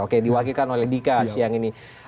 oke diwakilkan oleh dika siang ini